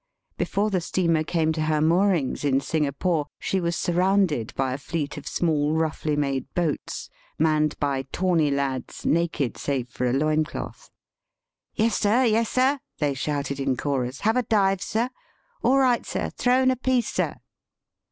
Before the steamer came to her moorings in Singapore she was surrounded by a fleet of small roughly made boats, manned by tawny lads naked save for a loincloth. ^' Yessir, yessir !'* they shouted in chorus ;^• have a dive, sir ? All right, sir ! throw in a piece, sir.'